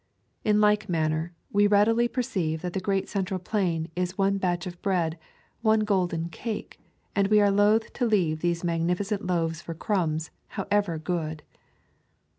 In like manner, we readily perceive that the great central plain is one batch of bread— one golden cake — and we are loath to leave these magnificent loaves for crumbs, however good.